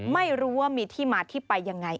ไม่รู้ว่ามีที่มาที่ไปยังไง